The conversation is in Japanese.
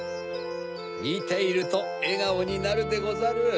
みているとえがおになるでござる。